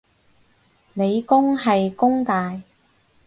理工係弓大